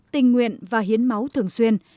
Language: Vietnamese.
tình nguyện và hiến máu thường xuyên